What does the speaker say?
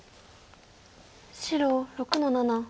白６の七。